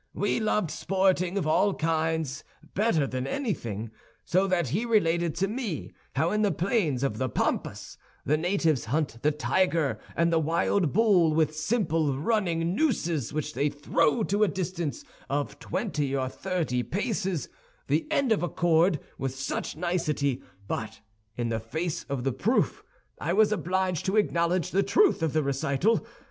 We loved sporting of all kinds better than anything; so that he related to me how in the plains of the Pampas the natives hunt the tiger and the wild bull with simple running nooses which they throw to a distance of twenty or thirty paces the end of a cord with such nicety; but in face of the proof I was obliged to acknowledge the truth of the recital.